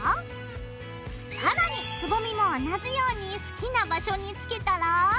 更につぼみも同じように好きな場所につけたら。